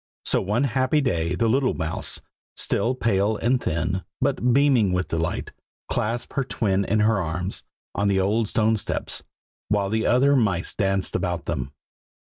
So one happy day the little mouse, still pale and thin, but beaming with delight, clasped her twin in her arms, on the old stone steps, while the other mice danced about them.